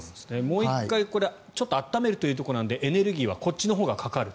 もう１回暖めるというところなのでエネルギーはこっちのほうがかかる。